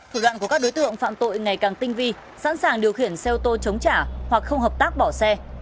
thủ đoạn của các đối tượng phạm tội ngày càng tinh vi sẵn sàng điều khiển xe ô tô chống trả hoặc không hợp tác bỏ xe